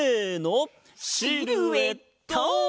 シルエット！